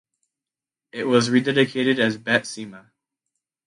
It was rededicated as "Bet Sima".